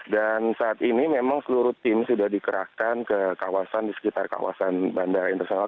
dan saat ini memang seluruh tim sudah dikerahkan ke kawasan di sekitar kawasan bandara yang terselamat